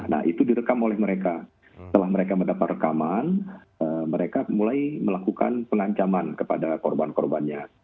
nah itu direkam oleh mereka setelah mereka mendapat rekaman mereka mulai melakukan pengancaman kepada korban korbannya